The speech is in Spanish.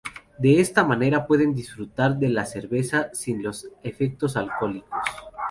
De esta manera pueden disfrutar de la cerveza sin los efectos alcohólicos.